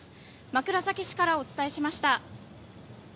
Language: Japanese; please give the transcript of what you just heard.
枕崎市からお伝えしました。